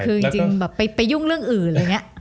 คือจริงไปยุ่งเรื่องอื่น